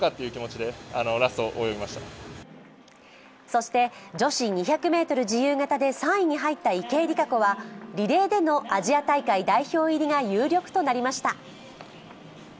そして女子２００ｍ自由形で３位に入った池江璃花子はリレーでのアジア大会代表入りが有力となりました。